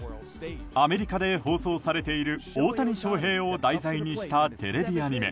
アメリカで放送されている大谷翔平を題材にしたテレビアニメ